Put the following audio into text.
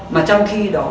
mà trong khi đó